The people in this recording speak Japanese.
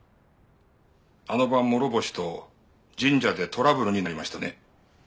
あの晩諸星と神社でトラブルになりましたね？